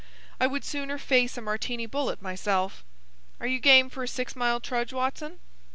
I would sooner face a Martini bullet, myself. Are you game for a six mile trudge, Watson?"